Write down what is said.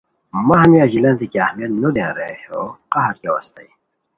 مہ ہمی اژیلیانتے کیہ اہمیت نو دویان رے ہو قہر گیاؤ استائے